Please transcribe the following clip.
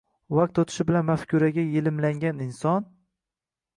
Vaqt o‘tishi bilan mafkuraga yelimlangan inson